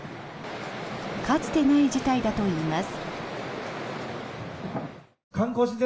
かつてない事態だといいます。